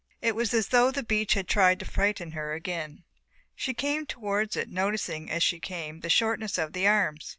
It was as though the beach had tried to frighten her again. She came towards it, noticing as she came the shortness of the arms.